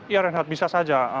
iya renhat bisa saja